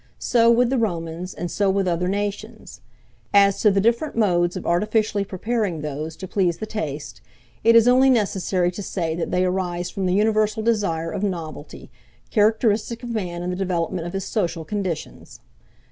So with the Romans, and so with other nations. As to the different modes of artificially preparing those to please the taste, it is only necessary to say that they arise from the universal desire of novelty, characteristic of man in the development of his social conditions.